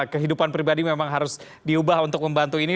kehidupan pribadi memang harus diubah untuk membantu ini